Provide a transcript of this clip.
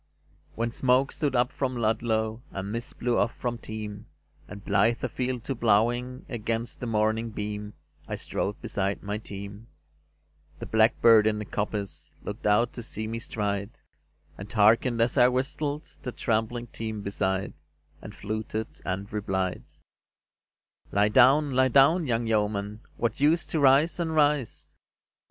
VII When smoke stood up from Ludlow, And mist blew off from Teme, And blithe afield to ploughing Against the morning beam I strode beside my team, The blackbird in the coppice Looked out to see me stride, And hearkened as I whistled The tramping team beside, And fluted and replied: "Lie down, lie down, young yeoman; What use to rise and rise?